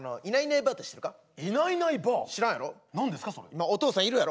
今お父さんいるやろ？